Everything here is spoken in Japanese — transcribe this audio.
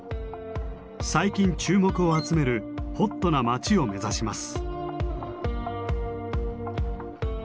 最近注目を集めるホットな町を目指します。